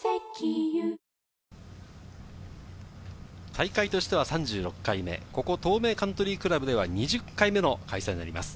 大会としては３６回目、ここ東名カントリークラブでは２０回目の開催となります。